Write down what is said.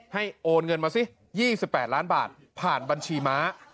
โอนเงินมาสิ๒๘ล้านบาทผ่านบัญชีม้า